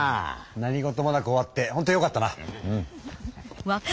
何事もなく終わってほんとよかったな。